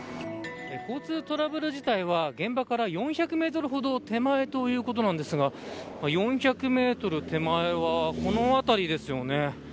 交通トラブル自体は現場から４００メートルほど手前ということなんですが４００メートル手前はこの辺りですよね。